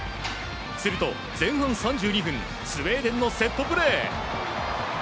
すると前半３２分スウェーデンのセットプレー。